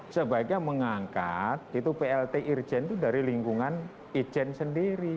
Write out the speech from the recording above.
sebaiknya mengangkat itu plt irjen itu dari lingkungan ijen sendiri